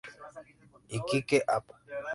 Iquique, Av.